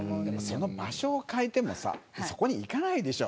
その場所を変えてもさそこに行かないでしょ。